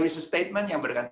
jadi ada kata kata yang berkata